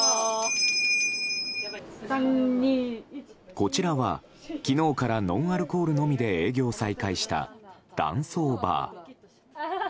こちらは、昨日からノンアルコールのみで営業再開した男装バー。